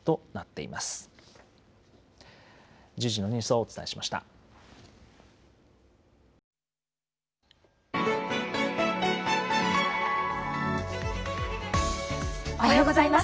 おはようございます。